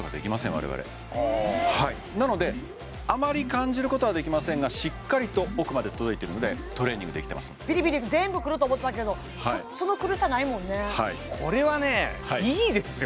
我々へえはいなのであまり感じることはできませんがしっかりと奥まで届いてるのでトレーニングできてますんでビリビリと全部くると思ってたけどその苦しさないもんねはいこれはねいいですよ